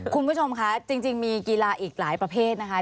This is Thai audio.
คุณผู้ชมคะจริงมีกีฬาอีกหลายประเภทนะคะ